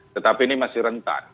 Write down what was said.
tetapi ini masih rentan